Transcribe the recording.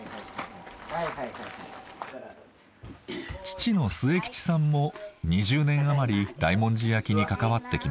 父の末吉さんも２０年余り大文字焼きに関わってきました。